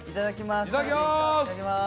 いただきます。